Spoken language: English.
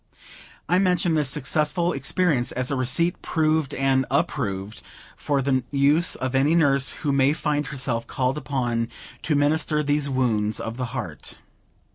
I mention this successful experience as a receipt proved and approved, for the use of any nurse who may find herself called upon to minister to these wounds of the heart.